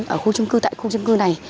ở khu trung cư tại khu trung cư này